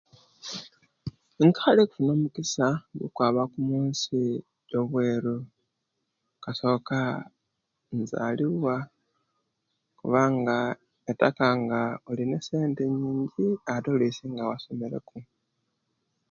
Nkali okufuna omugisa okwaba ku munsi ejobweru kasoka nazalibwa kubanga kitaka nga olina esente yingi ate nga wasomere ku